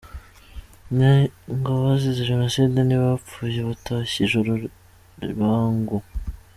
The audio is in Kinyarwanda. Ngo abazize jenoside ntibapfuye batashye ijuru bwangu ?